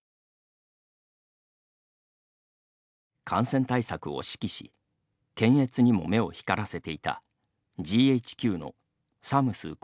感染対策を指揮し検閲にも目を光らせていたＧＨＱのサムス